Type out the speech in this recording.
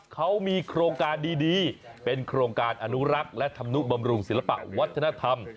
เขามีโครงการดีเป็นโครงการอนุรักษ์และธรรมนุบำรุงศิลปะวัฒนธรรม